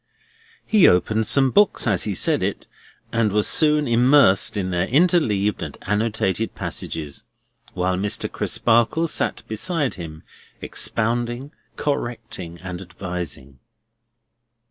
He opened some books as he said it, and was soon immersed in their interleaved and annotated passages; while Mr. Crisparkle sat beside him, expounding, correcting, and advising.